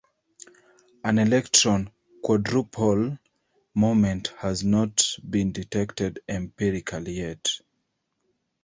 An electron quadrupole moment has not been detected empirically yet.